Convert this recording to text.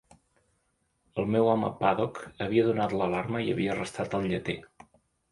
El meu home Paddock havia donat l'alarma i havia arrestat el lleter.